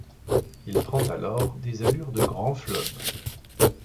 Il prend alors des allures de grand fleuve.